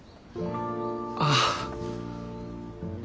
ああ。